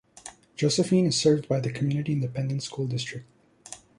Josephine is served by the Community Independent School District.